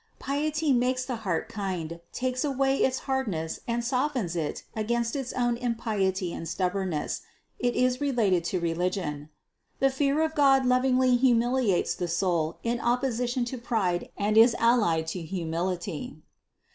Piety makes the heart kind, takes away its hardness and softens it against its own impiety and stubborness; it is related to religion. The fear of God lovingly humiliates the soul in opposition to pride, and is allied to humility.